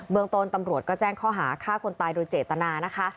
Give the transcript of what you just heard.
เมืองต้นตำรวจก็แจ้งข้อหาฆ่าคนตายโดยเจตนานะคะ